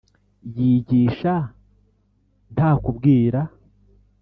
yigisha nta kubwira